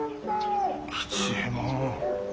吉右衛門。